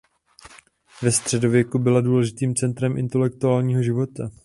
Ve středověku byla důležitým centrem intelektuálního života.